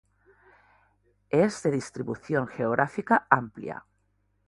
Es de distribución geográfica amplia.